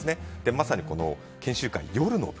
まさに研修会の夜の部。